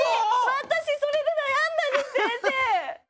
私それで悩んだんです先生！